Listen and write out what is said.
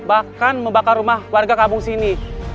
bahkan membakar rumah warga kampung sini